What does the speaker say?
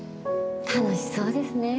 楽しそうですね。